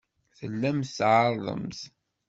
Tellamt tɛerrḍemt.